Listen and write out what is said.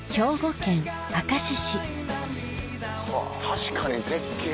確かに絶景。